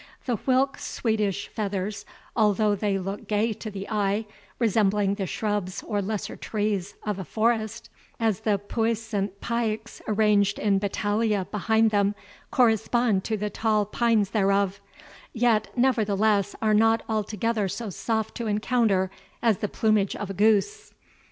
The whilk Swedish feathers, although they look gay to the eye, resembling the shrubs or lesser trees of ane forest, as the puissant pikes, arranged in battalia behind them, correspond to the tall pines thereof, yet, nevertheless, are not altogether so soft to encounter as the plumage of a goose.